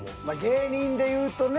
芸人でいうとね